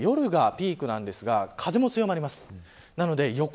関東は夜がピークなんですが風も強まります。